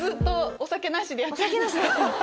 お酒なしでやってる。